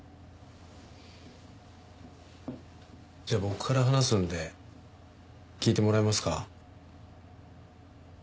じゃあ僕から話すんで聞いてもらえますか？